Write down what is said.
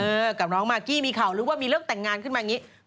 เออกับน้องมากกี้มีข่าวหรือว่ามีเรื่องแต่งงานขึ้นมาอย่างนี้